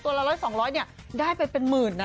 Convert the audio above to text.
ตัวละร้อยสองร้อยเนี่ยได้ไปเป็นหมื่นนะ